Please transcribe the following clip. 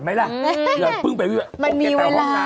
เห็นมั้ยล่ะมันมีเวลา